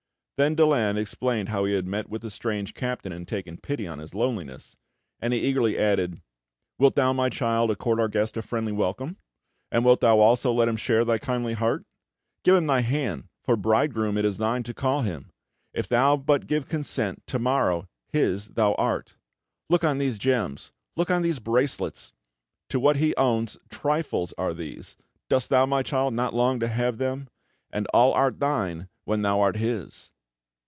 Then Daland explained how he had met with the strange captain and taken pity on his loneliness; and he eagerly added: "Wilt thou, my child, accord our guest a friendly welcome? And wilt thou also let him share thy kindly heart? Give him thy hand, for bridegroom it is thine to call him! If thou but give consent, to morrow his thou art. Look on these gems; look on the bracelets! To what he owns, trifles are these! Dost thou, my child, not long to have them? And all art thine, when thou art his!"